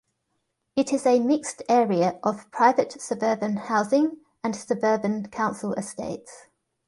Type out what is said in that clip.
It is a mixed area of private suburban housing and suburban council estates.